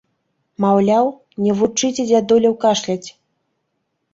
Маўляў, не вучыце дзядуляў кашляць!